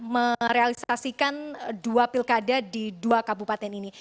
merealisasikan dua pilkada di dua kabupaten ini